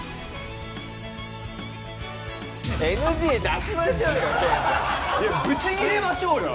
ＮＧ出しましょうよ